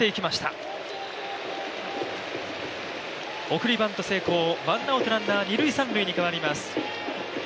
送りバント成功、ワンアウトランナー、二塁三塁に変わります。